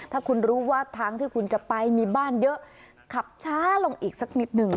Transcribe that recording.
ถ้าคุณรู้ว่าทางที่คุณจะไปมีบ้านเยอะขับช้าลงอีกสักนิดหนึ่ง